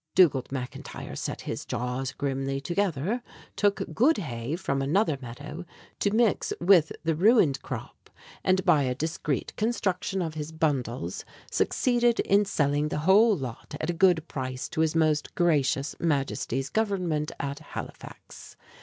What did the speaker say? Dugald McIntyre set his jaws grimly together, took good hay from another meadow to mix with the ruined crop, and by a discreet construction of his bundles succeeded in selling the whole lot at a good price to his most gracious Majesty's government at Halifax.